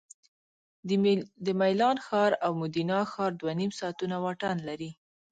د میلان ښار او مودینا ښار دوه نیم ساعتونه واټن لري